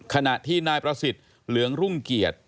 ขณะที่นายประสิทธิ์เหลืองรุ่งเกียรติ